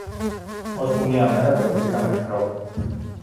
Ώσπου μια μέρα τον βρήκαμε νεκρό.